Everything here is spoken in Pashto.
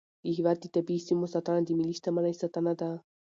د هیواد د طبیعي سیمو ساتنه د ملي شتمنۍ ساتنه ده.